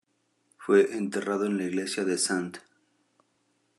Fue enterrado en la iglesia de St.